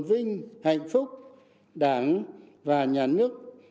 vinh hạnh phúc đảng và nhà nước